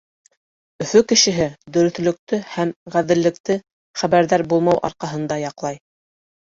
Өфө кешеһе дөрөҫлөктө һәм ғәҙеллекте хәбәрҙар булмау арҡаһында яҡлай.